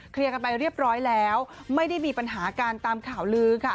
กันไปเรียบร้อยแล้วไม่ได้มีปัญหาการตามข่าวลือค่ะ